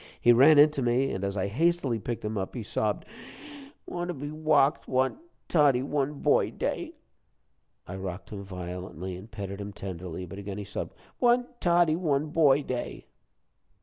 He ran in to me, and as I hastily picked him up, he sobbed: "Want to be wocked. Want 'Toddie one boy day.'" I rocked him violently, and petted him tenderly, but again he sobbed: "Want 'Toddie one boy day.'"